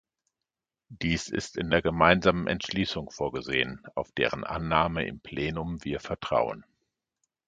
Dies ist in der gemeinsamen Entschließung vorgesehen, auf deren Annahme im Plenum wir vertrauen.